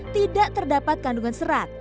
tidak terdapat kandungan serat